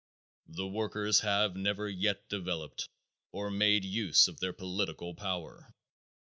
_ The workers have never yet developed or made use of their political power.